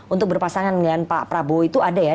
untuk berpasangan dengan pak prabowo itu ada ya